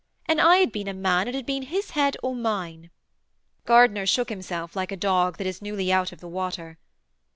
'An I had been a man it had been his head or mine.' Gardiner shook himself like a dog that is newly out of the water.